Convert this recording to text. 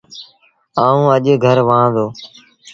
آئوٚݩ اَڄ گھر وهآن دو۔